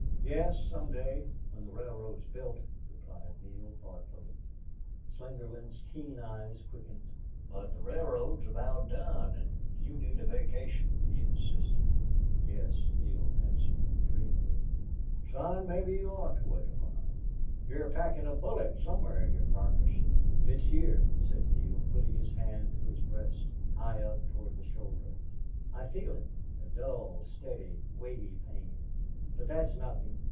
"Yes, some day, when the railroad's built," replied Neale, thoughtfully. Slingerland's keen eyes quickened. "But the railroad's about done an' you need a vacation," he insisted. "Yes," Neale answered, dreamily. "Son, mebbe you ought to wait awhile. You're packin' a bullet somewhar in your carcass." "It's here," said Neale, putting his hand to his breast, high up toward the shoulder. "I feel it a dull, steady, weighty pain.... But that's nothing.